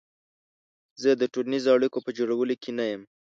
زه د ټولنیزو اړیکو په جوړولو کې نه یم.